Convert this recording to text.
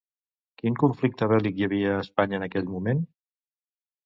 Quin conflicte bèl·lic hi havia a Espanya en aquell moment?